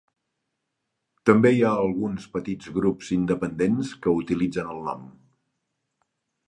També hi ha alguns petits grups independents que utilitzen el nom.